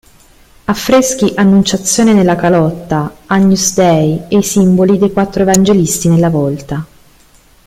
Affreschi: "Annunciazione" nella calotta, "Agnus Dei" e i simboli dei quattro evangelisti nella volta.